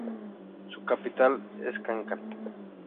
Su capital es Kankan.